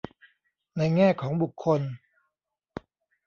ในแง่ของบุคคล